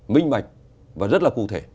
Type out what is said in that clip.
minh bạch và rất là cụ thể